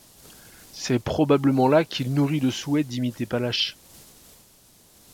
C'est probablement là qu'il nourrit le souhait d'imiter Palach.